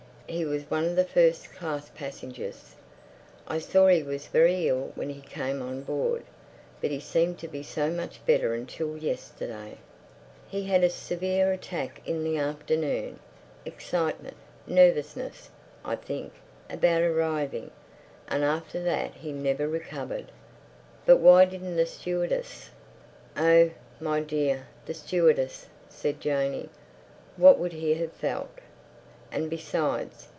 "He was one of the first class passengers. I saw he was very ill when he came on board.... But he seemed to be so much better until yesterday. He had a severe attack in the afternoon—excitement—nervousness, I think, about arriving. And after that he never recovered." "But why didn't the stewardess—" "Oh, my dear—the stewardess!" said Janey. "What would he have felt? And besides...